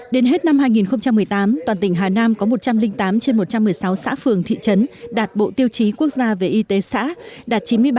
đến hết năm hai nghìn một mươi tám toàn tỉnh hà nam có một trăm linh tám trên một trăm một mươi sáu xã phường thị trấn đạt bộ tiêu chí quốc gia về y tế xã đạt chín mươi ba